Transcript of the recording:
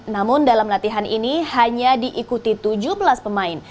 namun dalam latihan ini hanya diikuti tujuh belas pemain